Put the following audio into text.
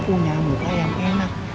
punya muka yang enak